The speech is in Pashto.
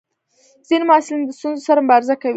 ځینې محصلین د ستونزو سره مبارزه کوي.